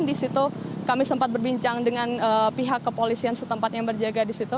di situ kami sempat berbincang dengan pihak kepolisian setempat yang berjaga di situ